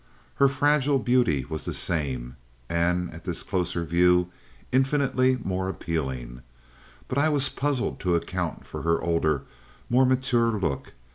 Her fragile beauty was the same, and at this closer view infinitely more appealing, but I was puzzled to account for her older, more mature look.